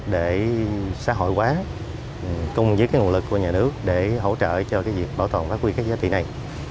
để xã hội hóa cùng với cái nguồn lực của nhà nước để hỗ trợ cho cái việc bảo tồn phát huy các giá trị này